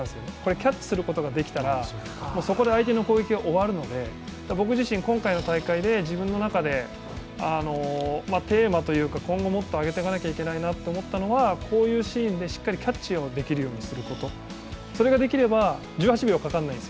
キャッチすることができたら、そこで相手の攻撃が終わるので僕自身、今回の大会で自分の中でテーマというか、今後もっと上げていかなければいけないのはこういうシーンでしっかりキャッチできるようにすること、それができれば、１８秒かからないです。